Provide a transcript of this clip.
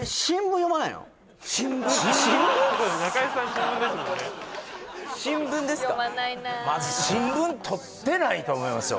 読まないな新聞とってないと思いますよ